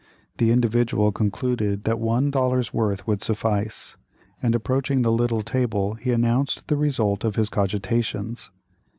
The Individual concluded that one dollar's worth would suffice, and, approaching the little table, he announced the result of his cogitations.